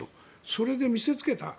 それで見せつけた。